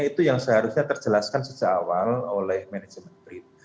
itu yang seharusnya terjelaskan sejak awal oleh manajemen brin